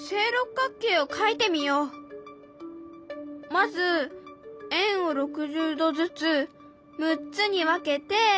まず円を６０°ずつ６つに分けて。